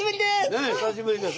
ねえ久しぶりです。